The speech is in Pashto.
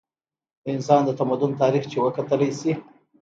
د انسان د تمدن تاریخ چې وکتلے شي